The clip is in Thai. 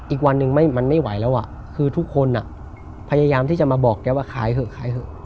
อีกวันหนึ่งมันไม่ไหวแล้วอ่ะคือทุกคนพยายามที่จะมาบอกแกว่าขายเถอะขายเถอะ